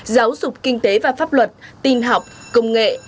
giáo dục kinh tế và pháp luật tin học công nghệ